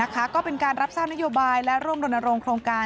ก็เป็นการรับทราบนโยบายและร่วมรณรงโครงการ